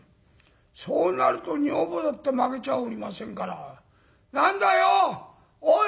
そうなると女房だって負けちゃおりませんから「何だよおい！」